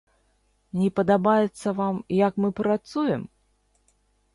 Не падабаецца вам, як мы працуем?